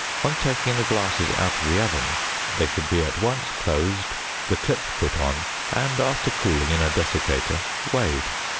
On taking the glasses out of the oven, they should be at once closed, the clip put on, and after cooling in a desiccator weighed.